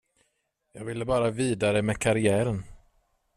Jag ville bara vidare med karriären.